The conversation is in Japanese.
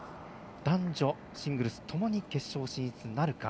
男女シングルスともに決勝進出なるか。